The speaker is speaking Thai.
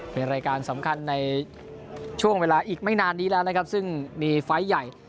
เป็นรายการสำคัญในช่วงเวลาอีกไม่นานนี้แล้วนะครับซึ่งมีไฟล์ใหญ่